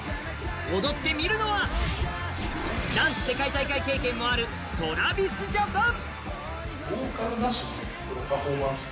踊ってみるのはダンス世界大会経験もあるＴｒａｖｉｓＪａｐａｎ。